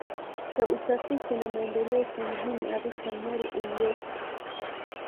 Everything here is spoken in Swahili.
cha utafiti na maendeleo cha mjini arusha mel ulwechi